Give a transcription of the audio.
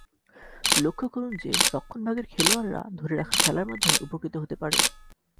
লক্ষ করুন যে, রক্ষণভাগের খেলোয়াড়রা ধরে রাখা খেলার মাধ্যমে উপকৃত হতে পারে।